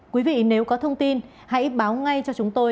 quý vị nếu có thông tin hãy báo ngay cho chúng tôi